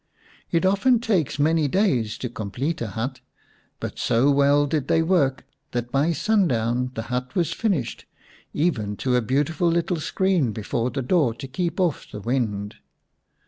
It often takes many days to complete a hut, but so well did they work that by sundown the hut was finished, even to a beautiful little screen before the door to keep off the wind.